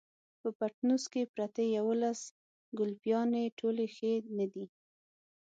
په پټنوس کې پرتې يوولس ګلپيانې ټولې ښې نه دي.